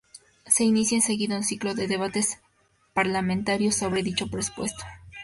Se inicia enseguida un ciclo de debates parlamentarios sobre dicho presupuesto.